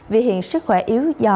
vì hiện sức khỏe yếu do diễn ra